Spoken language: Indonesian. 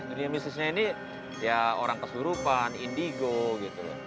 dunia mistisnya ini ya orang keselurupan indigo gitu